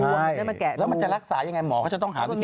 แล้วมันจะรักษายังไงหมอเขาจะต้องหาวิธี